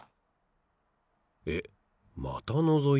えっまたのぞいてる。